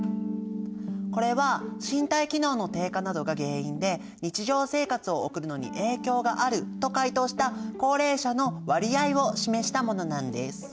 これは身体機能の低下などが原因で日常生活を送るのに影響があると回答した高齢者の割合を示したものなんです。